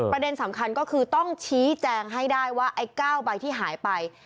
ประเด็นสำคัญก็คือต้องชี้แจงให้ได้ว่าไอ้๙ใบที่หายไป